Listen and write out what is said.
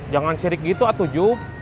jangan sirik gitu atujuh